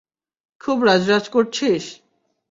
খুব রাজ রাজ করছিস?